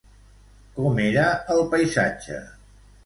Com era el paisatge?